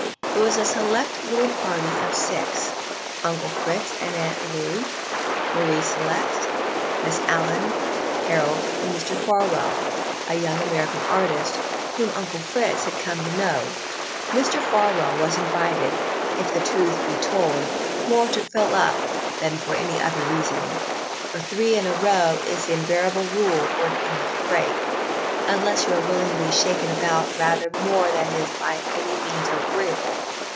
It was a select little party of six Uncle Fritz and Aunt Lou, Marie Celeste, Miss Allyn, Harold and Mr. Farwell, a young American artist whom Uncle Fritz had come to know. Mr. Farwell was invited, if the truth be told, more to fill up than for any other reason; for three in a row is the invariable rule for an English break, unless you are willing to be shaken about rather more than is by any means agreeable.